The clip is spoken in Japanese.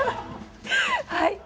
はい。